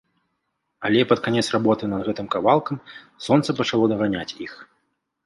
Але пад канец работы над гэтым кавалкам сонца пачало даганяць іх.